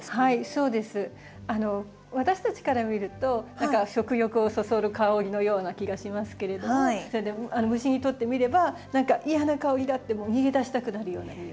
私たちから見ると何か食欲をそそる香りのような気がしますけれども虫にとってみれば何か嫌な香りだってもう逃げ出したくなるような匂い。